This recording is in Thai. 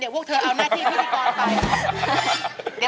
พวกเธอเอาหน้าที่พิธีกรไป